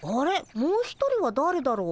もう一人はだれだろう。